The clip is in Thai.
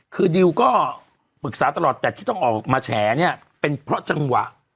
คือดิวก็ปรึกษาตลอดแต่ที่ต้องออกมาแฉเนี่ยเป็นเพราะจังหวะ